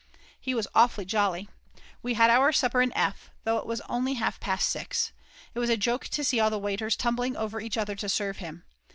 He was awfully jolly. We had our supper in F., though it was only half past 6. It was a joke to see all the waiters tumbling over each other to serve him.